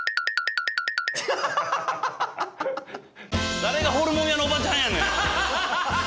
誰がホルモン屋のおばちゃんやねん！